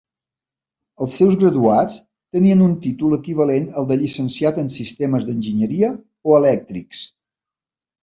Els seus graduats tenien un títol equivalent al de Llicenciat en Sistemes d'Enginyeria o Elèctrics.